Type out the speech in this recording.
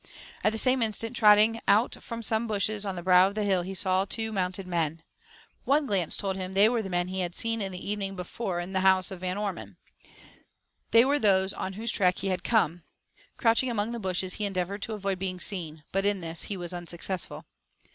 At the same instant, trotting out from some bushes on the brow of the hill, he saw two mounted men. One glance told him they were the men he had seen the evening before it the house of Van Ormon. They were those on whose track he had come. Crouching among the bushes, he endeavoured to avoid being seen; but in this he was unsuccessful.